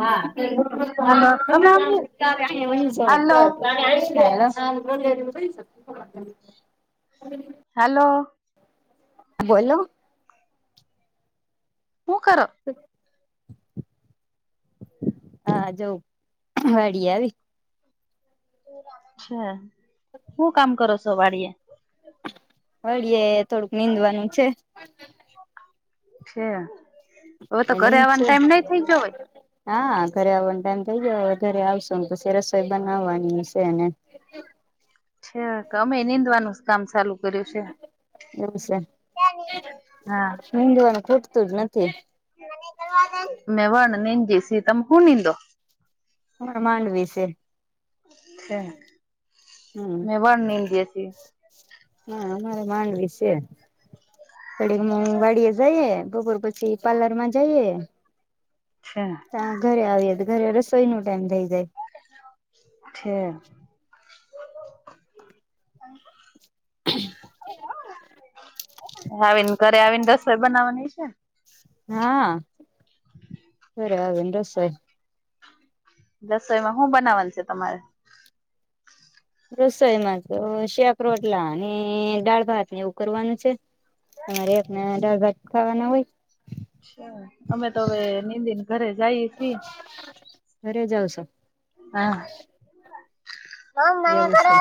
હા હાલો તમે આમ હાલો [inaudible] [inaudible] હાલો! બોલો? હું કર? હા જો વાડી એ આવી. અચા શું કામ કરો છો વાડીએ? વાડીએ થોડુંક નીંદવાનું છે. છે હવે તો એ ઘરે નીંદ આવવાનો શુ. ટાઈમ નઈ થઇ ગયો હોય? હા ઘરે આવવાનો ટાઈમ થઇ જયો ઘરે આવશો પછી રસોઈ બનાવવાની હ છે ને હ અમે નિનીંદવાનું કામ ચાલુ કર્યું છે. એવું હા. છે નીંદવાનું ખોટતું જ નથી. મે વણ નિંદ જસી તમ હું નિંદો? હ માંડવી છે. છે હમ મેં વાર નીમ ગયા છી. હા અમારે માંડવી છે. તડી મુું વાડીએ જાયએ ભોપર પછી પાર્લર માં જાયે અચ્છા ત ઘરે આવીએ તો ઘરે રસોઈ નો ટાઈમ થઈ જાય છે આવીને ઘરે આવીને રસોઈ બનાવવાની છે. હા ઘરે આવી ને રસોઈ. રસોઈમાં શું બનાવવાનું છે તમારે? રસોઈ માં તો શેકરોટલા અને દાળભાત ને એવું કરવાનું છે. અમારે રાતના દાળ ભાત ખાવાના હોય અચ્છા, અમે તો હવે નિંદિને ઘરે જઈએ છે. ઘરે જાવ છો હા. એવું છે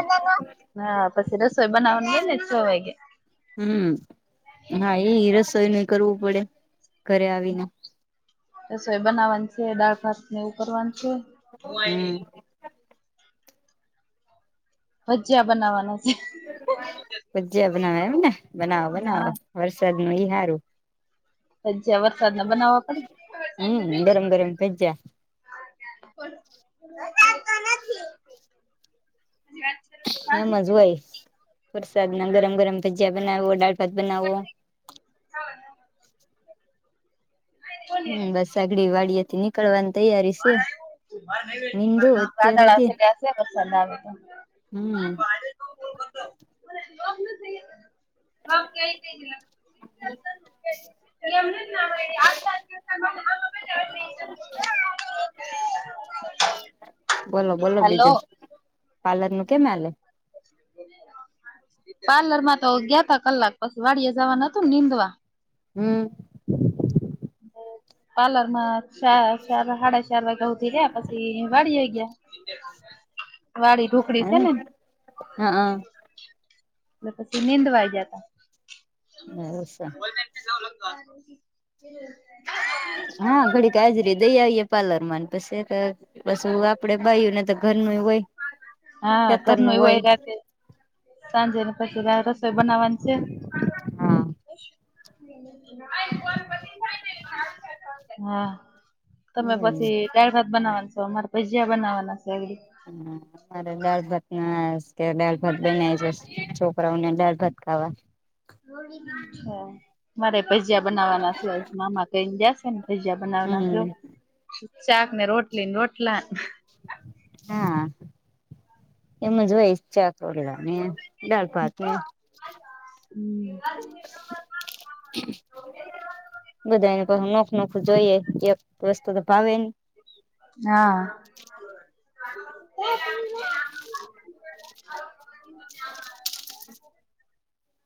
હા પછી રસોઈ બનાવાનું હેને છ વાગે હમ્મ, હા, એ રસોઈનું કરવું પડે ઘરે કર્યા વિના રસોઈ બનાવાની છે દાળ ભાત ને એવું કરવાનું છે હમ ભજીયા બનાવાના છે ભજ઼ીયા બનાવા એમ ને બનાવો હા બનાવો વરસાદ મા ઈ હારું ભજીયા વરસાદ ના બનાવવા હમ ગરમ ગરમ ભજીયા પડે [inaudible] એમ જ હોય વરસાદ મા ગરમ ગરમ ભજીયા બનાવો દાળ ભાત બનાવો હા હમ બસ આગડી વાળિયા થી નીકળવાની તૈયારી છે નીંદુ વાદળિયા અત્યાર સુધી ગાજ્યા છે વરસાદ આવે તો હમ બાપ કઈ [unintelligible] [unintelligible] [inaudible] [inaudible] બોલો બોલો હલો બીજું પાર્લર નું કેમ હલે પાર્લર માં તો ગયા ત કલાક પસી વાડિયે જવા ન હતું ને નિનીંદવા હમ પાર્લર માં સા હાડા ચાર વાગે હુધી રહ્યા ને પસી વાળીએ ગયા [inaudible] હ ઢોકળી છે ને એટલે હા એ પછી નીંદવાય ગયાતા એવું સે [inaudible] હા ઘડીક આજે દઈ આવીએે પાર્લરમા ને પસી પાસું આપડે બાઈઓને તો ઘરણુ એ હોય હા ખેતર ઘરણુ નું એ હોય હોઈ રાતે સાંજે ને પછી રસોઈ બનાવાની છે. હા. [inaudible] હા, તમે હા પછી દાળ ભાત બનાવાના છે, અમારે ભજીયા બનાવાના છે. હમ્મ, અમારે દાળ ભાતના દાળ ભાત [unintelligible] [unintelligible] ને દાળ ભાત ખાવા મારે ભાજીયા બનાવાના છે, મામા કહીને ગયા સે ને ભજીયા બનાવી નાખજો, હમ. શાક ને રોટલી રોટલા હા, એમજ હોય શાક રોટલા દાળ ભાત ને [inaudible] બધાને પાહુ નોખ નોખ જોઈએ, એક વસ્તુ તો ભાવે નઈ હા.